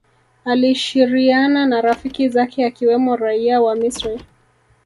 alishiriiiana na rafiki zake akiwemo Raia wa Misri